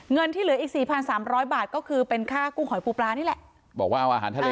ที่เหลืออีกสี่พันสามร้อยบาทก็คือเป็นค่ากุ้งหอยปูปลานี่แหละบอกว่าเอาอาหารทะเล